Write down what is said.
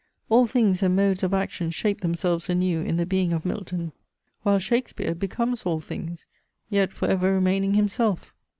All things and modes of action shape themselves anew in the being of Milton; while Shakespeare becomes all things, yet for ever remaining himself.